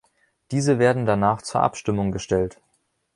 Diese werden danach zur Abstimmung gestellt.